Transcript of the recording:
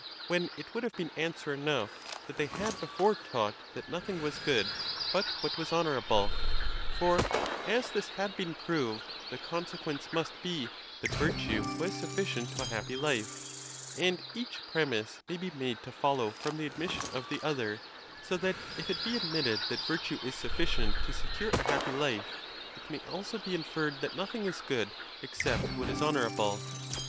when it would have been answer enough that they had before taught that nothing was good but what was honorable; for, as this had been proved, the consequence must be that virtue was sufficient to a happy life; and each premise may be made to follow from the admission of the other, so that if it be admitted that virtue is sufficient to secure a happy life, it may. also be inferred that nothing is good except what is bonorable..